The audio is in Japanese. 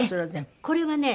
これはね